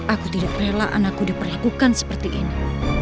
aku tidak rela anakku diperlakukan seperti ini